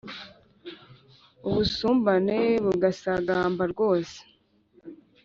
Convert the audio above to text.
ubusumbane bugasagamba rwose